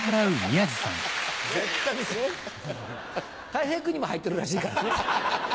たい平君にも入ってるらしいからね。